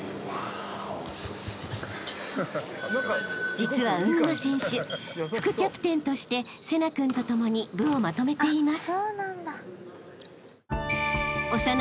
［実は鵜沼選手副キャプテンとして聖成君とともに部をまとめています］